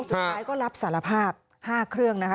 สุดท้ายก็รับสารภาพ๕เครื่องนะคะ